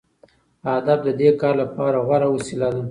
ادب د دې کار لپاره غوره وسیله ده.